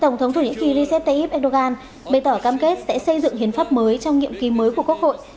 tổng thống thổ nhĩ kỳ recep tayyip erdogan bày tỏ cam kết sẽ xây dựng hiến pháp mới trong nhiệm kỳ mới của quốc hội